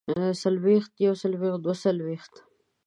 څلوېښت يوڅلوېښت دوه څلوېښت